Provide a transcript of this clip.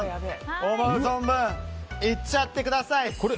思う存分、いっちゃってください。